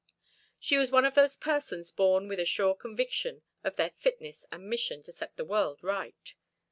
She was one of those persons born with a sure conviction of their fitness and mission to set the world right.